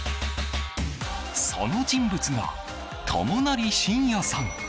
その人物が友成晋也さん。